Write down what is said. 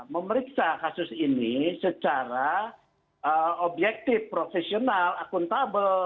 memeriksa kasus ini secara objektif profesional akuntabel